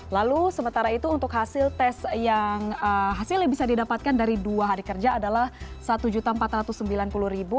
lalu sementara itu untuk hasil tes yang hasil yang bisa didapatkan dari dua hari kerja adalah rp satu empat ratus sembilan puluh